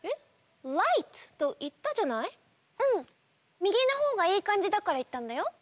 右のほうがいいかんじだからいったんだよ。